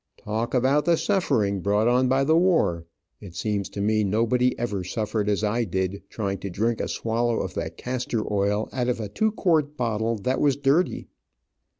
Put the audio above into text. Talk about the suffering brought on by the war, it seems to me nobody ever suffered as I did, trying to drink a swallow of that castor oil out of a two quart bottle, that was dirty.